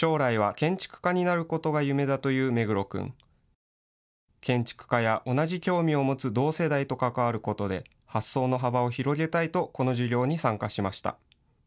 建築家や同じ興味を持つ同世代と関わることで発想の幅を広げたいとこの授業に参加しました。